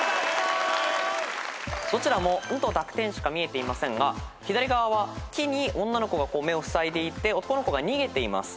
どちらも「ん」と濁点しか見えていませんが左側は木に女の子が目をふさいでいて男の子が逃げています。